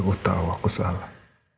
aku tau aku salah